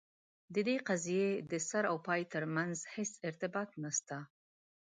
د دې قضیې د سر او پای ترمنځ هیڅ ارتباط نسته.